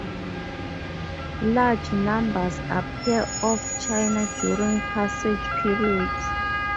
Large numbers appear off China during passage periods.